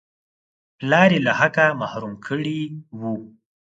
پلار یې له حقه محروم کړی وو.